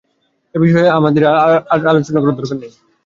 এই বিষয়ে আমাদের আর আলোচনা করার কিছু নেই।